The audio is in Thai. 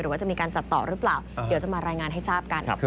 ว่าจะมีการจัดต่อหรือเปล่าเดี๋ยวจะมารายงานให้ทราบกัน